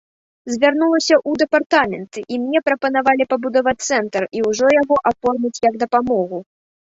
Звярнулася ў дэпартамент, і мне прапанавалі пабудаваць цэнтр і ўжо яго аформіць як дапамогу.